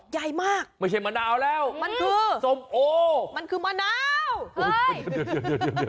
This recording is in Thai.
ใหญ่มากมันคือส้มโอมันคือมะนาวมันคือส้มโอ